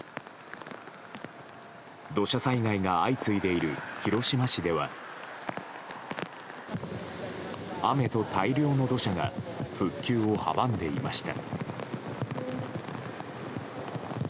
土砂災害が相次いでいる広島市では雨と大量の土砂が復旧を阻んでいました。